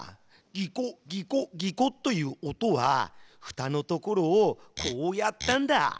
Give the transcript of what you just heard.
「ギコギコギコ」という音はふたの所をこうやったんだ。